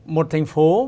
một thành phố